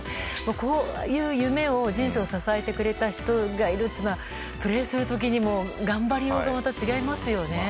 こういう夢を人生を支えてくれた人がいるとプレーする時にも頑張りようがまた違いますよね。